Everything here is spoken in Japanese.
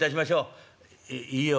「えいいよ